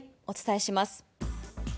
お伝えします。